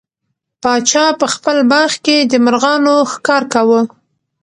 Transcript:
پاچا په خپل باغ کې د مرغانو ښکار کاوه.